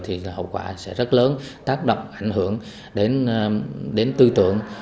thì hậu quả sẽ rất lớn tác động ảnh hưởng đến tư tưởng